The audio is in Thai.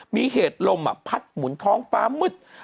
มีเหตุลมพัดหมุนท้องฟ้ามืด